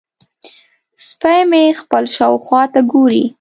سپی مې خپلې شاوخوا ته ګوري.